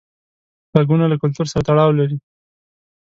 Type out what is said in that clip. غږونه له کلتور سره تړاو لري.